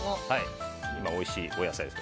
今おいしいお野菜です。